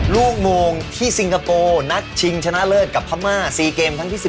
รูปโมงที่ซิงคโกโนัทชิงชนะเลิศกับพระม่า๔เกมทั้งที่๑๗